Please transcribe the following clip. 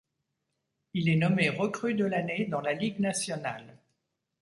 Il est nommé recrue de l'année dans la Ligue nationale.